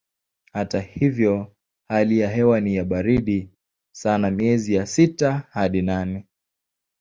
Hata hivyo hali ya hewa ni ya baridi sana miezi ya sita hadi nane.